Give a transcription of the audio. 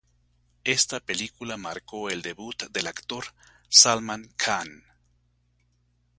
Esta película marcó el debut del actor Salman Khan.